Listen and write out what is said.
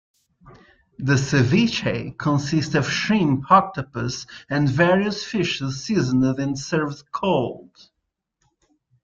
The ceviches consists of shrimp, octopus, and various fishes seasoned and served cold.